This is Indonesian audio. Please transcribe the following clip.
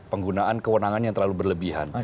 penggunaan kewenangan yang terlalu berlebihan